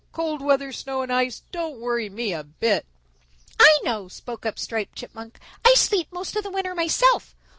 Cold weather, snow and ice don't worry me a bit." "I know," spoke up Striped Chipmunk. "I sleep most of the winter myself.